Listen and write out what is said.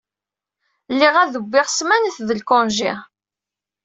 Lliɣ ad bbiɣ smanet d lkonji.